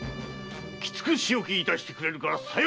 きつく仕置きいたしてくれるからさよう心得ろ。